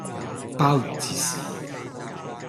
鮑魚之肆